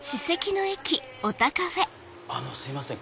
あのすいません。